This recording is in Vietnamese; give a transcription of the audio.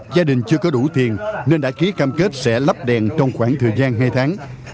gia đình chưa có đủ tiền nên đã ký cam kết sẽ lắp đèn trong khoảng thời gian hai tháng